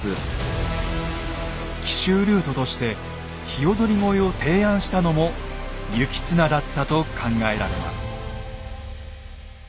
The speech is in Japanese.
奇襲ルートとして鵯越を提案したのも行綱だったと考えられます。